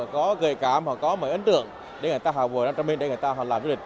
họ có gợi cảm họ có mời ấn tượng để người ta vào nam trà my để người ta làm du lịch